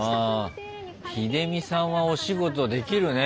ヒデミさんはお仕事デキるね。